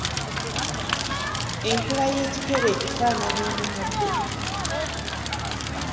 Enkula y’ekikere ekifaananya omukadde.